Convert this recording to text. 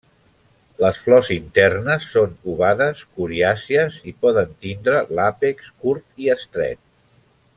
Les flors internes són ovades, coriàcies, i poden tindre l'àpex curt i estret.